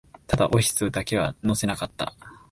ただ、オフィスだけは乗せなかった